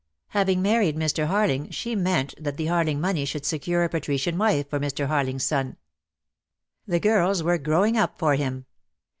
Having married Mr. Harling she meant that the Harling money should secure a patrician wife for Mr. Harling's son. The girls were growing up for him.